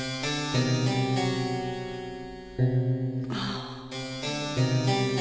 ああ。